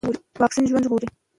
واکسين ژوند ژغوري.